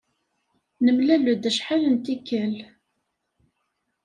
Nemlal-d acḥal n tikkal.